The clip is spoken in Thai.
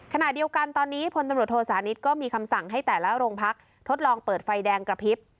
ขณะเดียวกันตอนนี้พลตำรวจโทษานิทก็มีคำสั่งให้แต่ละโรงพักทดลองเปิดไฟแดงกระพริบ